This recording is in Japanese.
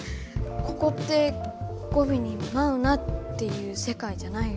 ここって語びに「マウナ」って言う世界じゃないよね？